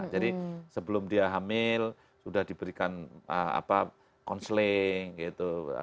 jadi sebelum dia hamil sudah diberikan apa counseling gitu